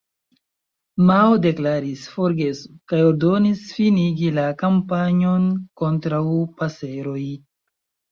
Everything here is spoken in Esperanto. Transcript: Mao deklaris "forgesu", kaj ordonis finigi la kampanjon kontraŭ paseroj.